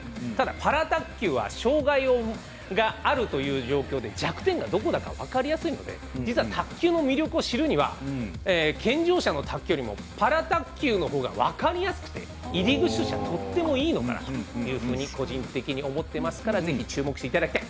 パラ卓球は障がいがあるという状況で弱点がどこだか分かりやすいので実は、卓球の魅力を知るには健常者の卓球よりもパラ卓球のほうが分かりやすくて入り口としては、いいのかなと個人的に思ってますから、ぜひ注目していただきたい。